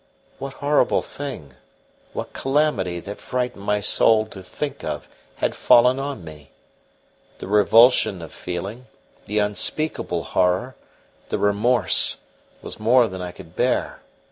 What horrible thing, what calamity that frightened my soul to think of, had fallen on me? The revulsion of feeling, the unspeakable horror, the remorse, was more than I could bear.